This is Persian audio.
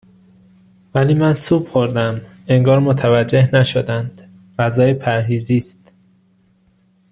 ولی من سوپ خوردم انگار متوجه نشدند غذای پرهیزی است